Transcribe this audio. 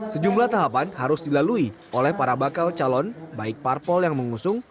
sejumlah tahapan harus dilalui oleh para bakal calon baik parpol yang mengusung